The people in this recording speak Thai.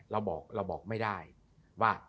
เราบอกไม่ได้ว่า